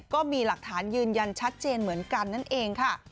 ก็มีหลักฐานยืนยันชัดเจนเหมือนกันนั่นเองค่ะ